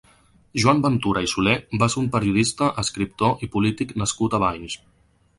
Joan Ventura i Solé va ser un periodista, escriptor i polític nascut a Valls.